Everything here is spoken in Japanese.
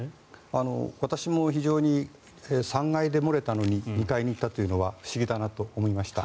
私も非常に３階で漏れたのに２階に行ったというのは不思議だなと思いました。